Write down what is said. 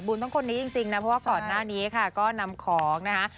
ทั้งคนนี้จริงนะเพราะว่าก่อนหน้านี้ค่ะก็นำของนะคะ